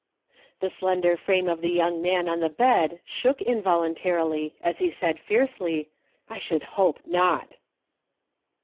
The slender frame of the young man on the bed shook involuntarily as he said fiercely, " I should hope not."